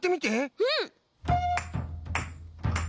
うん！